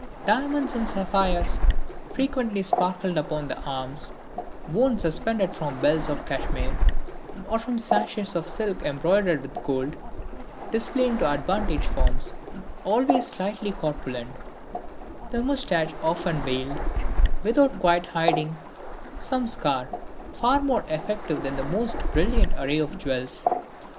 Diamonds and sapphires frequently sparkled upon the arms, worn suspended from belts of cashmere, or from sashes of silk embroidered with gold, displaying to advantage forms always slightly corpulent; the moustache often veiled, without quite hiding, some scar, far more effective than the most brilliant array of jewels.